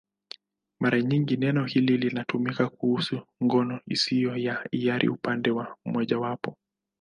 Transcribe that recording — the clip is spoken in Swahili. Mara nyingi neno hili linatumika kuhusu ngono isiyo ya hiari upande mmojawapo.